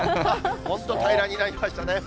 本当、になりましたね。